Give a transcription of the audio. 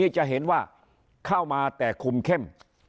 จะเห็นว่าเข้ามาแต่คุมเข้ม